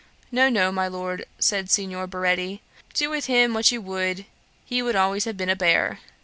'No, no, my Lord, (said Signor Baretti,) do with him what you would, he would always have been a bear.'